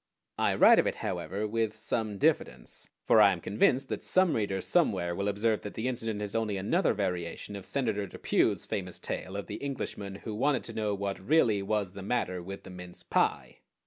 I write of it, however, with some diffidence; for I am convinced that some reader somewhere will observe that the incident is only another variation of Senator Depew's famous tale of the Englishman who wanted to know what really was the matter with the mince pie.